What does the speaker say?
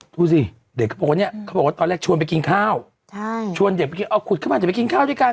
ดูสิเด็กเขาบอกว่าตอนแรกชวนไปกินข้าวเอาขวดขึ้นมาจะไปกินข้าวด้วยกัน